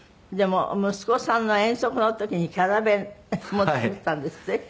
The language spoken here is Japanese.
でも息子さんの遠足の時にキャラ弁も作ったんですって？